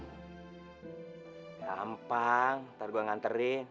gampang ntar gua nganterin